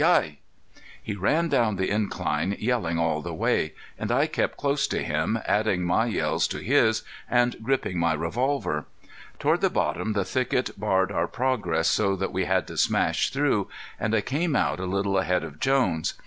Hi!" He ran down the incline yelling all of the way, and I kept close to him, adding my yells to his, and gripping my revolver. Toward the bottom the thicket barred our progress so that we had to smash through and I came out a little ahead of Jones.